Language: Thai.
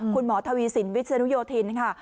คุณหมอทวีสินวิศนุโยธินค่ะ